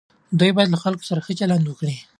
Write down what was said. دوی باید له خلکو سره ښه چلند وکړي.